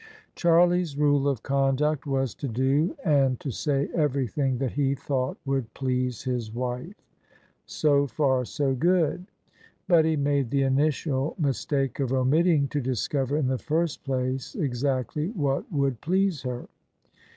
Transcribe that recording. Charlie's rule of conduct was to do and to [ 290 ] OF ISABEL CARNABY say everything that he thought would please his wife: so far so good: but he made the initial mistake of omitting to discover in the first place exactly what would please her.